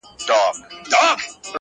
ته په ډله کي روان سه د څارویو-